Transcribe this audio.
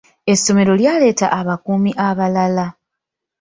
Essomero lyaleeta abakuumi abalala.